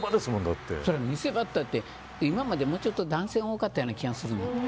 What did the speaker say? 見せ場っていったって今までもうちょっと男性が多かったような気がする。